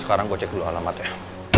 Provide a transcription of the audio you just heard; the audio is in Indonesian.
sekarang gue cek dulu alamatnya